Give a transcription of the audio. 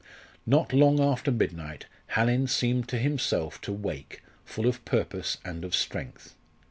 Not long after midnight Hallin seemed to himself to wake, full of purpose and of strength.